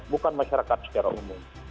bukan masyarakat secara umum